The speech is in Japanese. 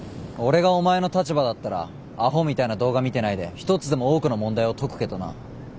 俺がお前の立場だったらアホみたいな動画見てないで１つでも多くの問題を解くけどな。